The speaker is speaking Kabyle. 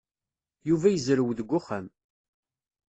Yuba yezrew deg uxxam.